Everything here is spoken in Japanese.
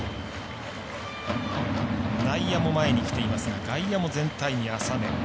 内野も前に来ていますが外野も全体に浅め。